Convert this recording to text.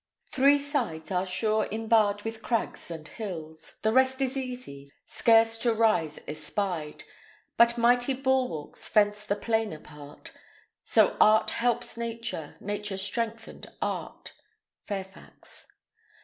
Three sides are sure inbarred with craggs and hills, The rest is easy, scarce to rise espy'd; But mighty bulwarks fence the plainer part: So art helps nature, nature strengtheneth art. Fairfax.